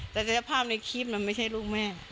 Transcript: แต่ภาพในคิดมันไม่ใช่ลูกแม่